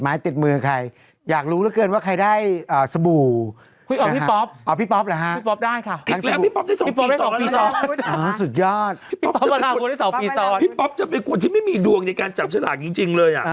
พี่ป๊อบมารับวันนี้๒ปีซ้อนพี่ป๊อบจะเป็นคนที่ไม่มีดวงในการจับฉลากจริงเลยอ่ะ